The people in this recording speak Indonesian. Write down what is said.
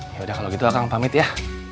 yaudah kalau gitu lah kang pamit ya